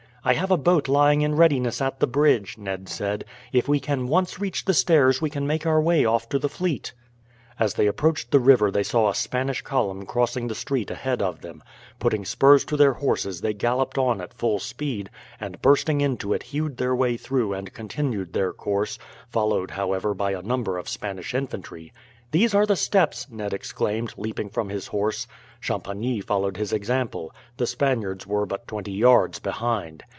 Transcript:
"I have a boat lying in readiness at the bridge," Ned said. "If we can once reach the stairs we can make our way off to the fleet." As they approached the river they saw a Spanish column crossing the street ahead of them. Putting spurs to their horses they galloped on at full speed, and bursting into it hewed their way through and continued their course, followed, however, by a number of Spanish infantry. "These are the steps!" Ned exclaimed, leaping from his horse. Champagny followed his example. The Spaniards were but twenty yards behind.